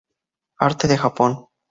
Arte de Japón